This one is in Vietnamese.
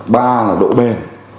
ba là độ bền